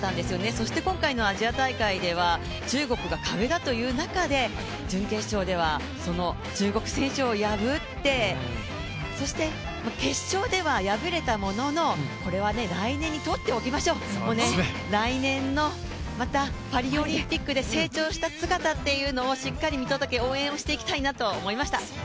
そして今回のアジア大会では中国が壁だという中で準決勝では中国選手を破って、そして決勝では敗れたもののこれは来年にとっておきましょう、来年のまたパリオリンピックで成長した姿というのをしっかり見届け、応援をしていきたいなと思いました。